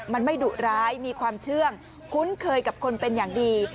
มันไม่ดุร้ายมีความเชื่องคุ้นเคยกับคนเป็นอย่างดี